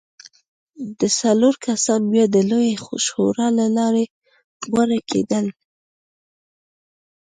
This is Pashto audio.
دا څلور کسان بیا د لویې شورا له لارې غوره کېدل.